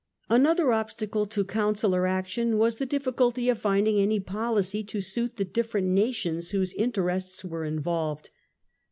Another obstacle to Conciliar action was the difficulty of finding any policy to suit the different nations whose interests were involved.